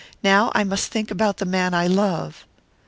Now I must think about the man I love."